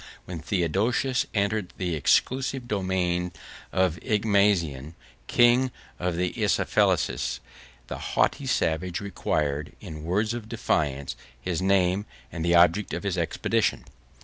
When Theodosius entered the extensive dominions of Igmazen, king of the Isaflenses, the haughty savage required, in words of defiance, his name, and the object of his expedition.